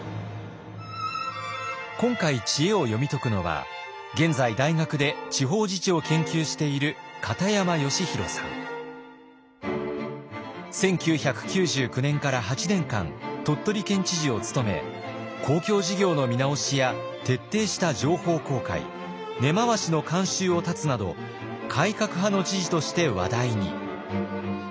今回知恵を読み解くのは現在大学で地方自治を研究している１９９９年から８年間鳥取県知事を務め公共事業の見直しや徹底した情報公開根回しの慣習を断つなど改革派の知事として話題に。